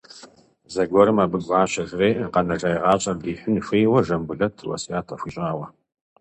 Зэгуэрым абы Гуащэ жреӏэ, къэнэжа и гъащӏэр дихьын хуейуэ Жамбулэт уэсят къыхуищӏауэ.